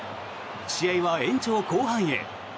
試合は延長後半へ。